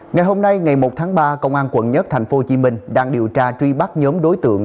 ngày hôm nay ngày một tháng ba công an quận một tp hcm đang điều tra truy bắt nhóm đối tượng